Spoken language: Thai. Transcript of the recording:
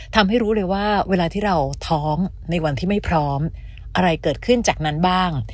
ทำให้รู้เลยว่าเวลาที่เราท้องในวันที่ไม่พร้อมอะไรเกิดขึ้นจากนั้นบ้าง